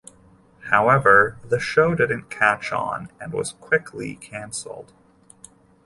However, the show didn't catch on and was quickly canceled.